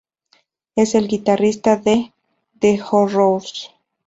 Es el guitarrista de "The Horrors".